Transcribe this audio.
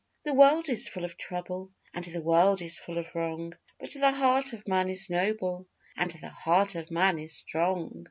The world is full of trouble, And the world is full of wrong, But the heart of man is noble, And the heart of man is strong!